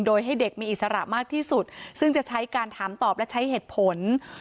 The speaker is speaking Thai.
โดยให้เด็กมีอิสระมากที่สุดซึ่งจะใช้การถามตอบและใช้เหตุผล